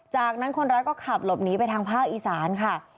จากนั้นคนร้ายก็ขับหลบหนีไปทางภาคอีสานค่ะ